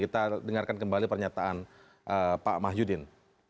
kita dengarkan kembali pernyataan pak mahyudin